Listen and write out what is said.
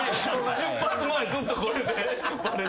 出発前ずっとこれで。